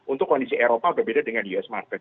untuk kondisi eropa berbeda dengan us market